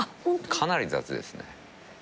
かなり雑ですね。